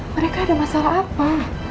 mereka ada masalah apa